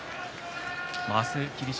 明日、霧島